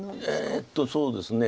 えっとそうですね。